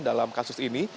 dalam kasus ini